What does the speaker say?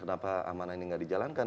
amanah ini nggak dijalankan